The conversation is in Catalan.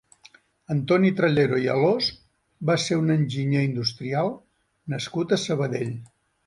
Antoni Trallero i Alòs va ser un enginyer industrial nascut a Sabadell.